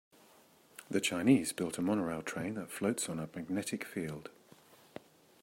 The Chinese built a monorail train that floats on a magnetic field.